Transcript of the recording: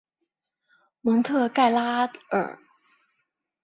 蒙特盖拉尔。